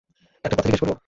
একটা কথা জিজ্ঞেস করবো?